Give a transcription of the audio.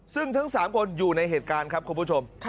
ซึ่งทั้ง๓คนอยู่ในเหตุการณ์ครับคุณผู้ชม